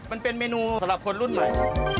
มันเป็นเมนูสำหรับคนรุ่นใหม่